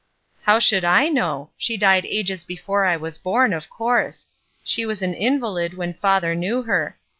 "How should I know? She died ages before I was bom, of course. She was an invalid when father knew her.